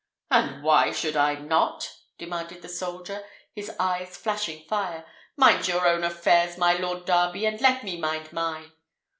"And why should I not?" demanded the soldier, his eyes flashing fire. "Mind your own affairs, my Lord Darby, and let me mind mine."